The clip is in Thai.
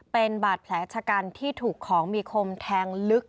เป็นบาดแผลชะกันที่ถูกของมีคมแทงลึก